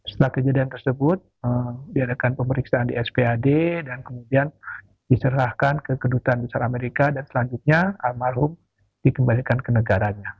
setelah kejadian tersebut diadakan pemeriksaan di spad dan kemudian diserahkan ke kedutaan besar amerika dan selanjutnya almarhum dikembalikan ke negaranya